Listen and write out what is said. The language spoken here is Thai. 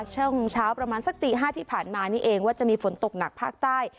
ช่วงเช้าประมาณสักตี๕ที่ผ่านมานี่เองว่าจะมีฝนตกหนักภาคใต้